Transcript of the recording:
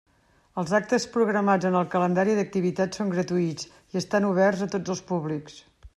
Els actes programats en el Calendari d'activitats són gratuïts i estan oberts a tots els públics.